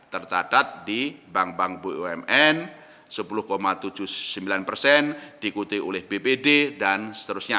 tercatat di bank bank bumn sepuluh tujuh puluh sembilan persen diikuti oleh bpd dan seterusnya